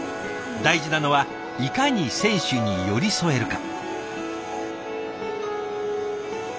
大事なのはいかに選手に寄り添えるか。